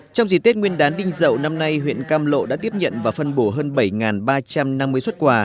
trong dịp tết nguyên đán đinh dậu năm nay huyện cam lộ đã tiếp nhận và phân bổ hơn bảy ba trăm năm mươi xuất quà